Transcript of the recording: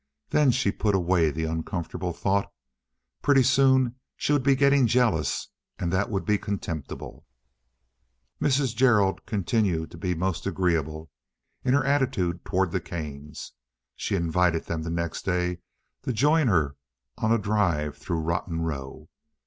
Then she put away the uncomfortable thought; pretty soon she would be getting jealous, and that would be contemptible. Mrs. Gerald continued to be most agreeable in her attitude toward the Kanes. She invited them the next day to join her on a drive through Rotten Row.